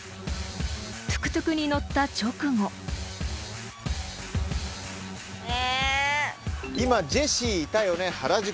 ［トゥクトゥクに乗った直後］え。